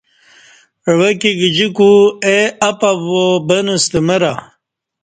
عوہ کی گجیکو اے اپپ وا بن ستہ مرہ